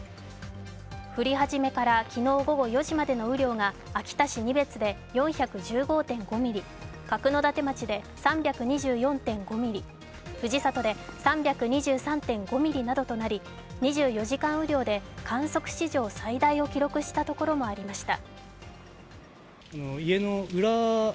降り始めから昨日午後４時までの雨量が秋田市仁別で４１５．５ミリ、角館町で３２４．５ミリ、藤里で３２３．５ミリなどとなり２４時間雨量で観測史上最大を記録したところもありました。